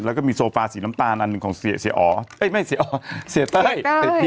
แล้วก็มีโซฟาสีน้ำตาลอันหนึ่งของเสียเสียอ๋อยไม่เสียอ๋อเสียเต้ย